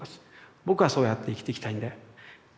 僕はそうやって生きていきたいので。